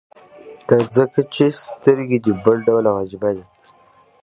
دا ځکه چې سترګې دې بل ډول او عجيبه دي.